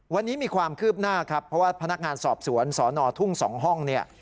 วันนี้มีความคืบหน้าครับเพราะว่าพนักงานสอบสวนสนทุ่ง๒ห้องเนี่ย